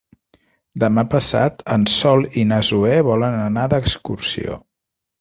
Demà passat en Sol i na Zoè volen anar d'excursió.